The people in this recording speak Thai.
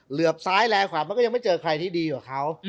เหลือบซ้ายแลขวามันก็ยังไม่เจอใครที่ดีกว่าเขา